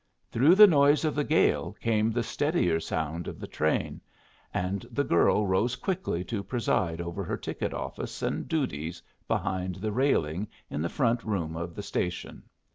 Through the noise of the gale came the steadier sound of the train, and the girl rose quickly to preside over her ticket office and duties behind the railing in the front room of the station.